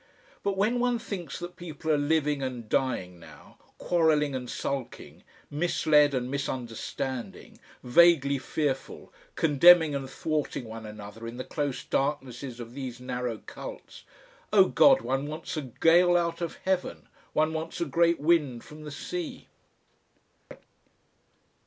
But when one thinks that people are living and dying now, quarrelling and sulking, misled and misunderstanding, vaguely fearful, condemning and thwarting one another in the close darknesses of these narrow cults Oh, God! one wants a gale out of Heaven, one wants a great wind from the sea!